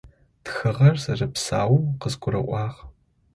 Тхыгъэр зэрэпсаоу къызгурыӏуагъ.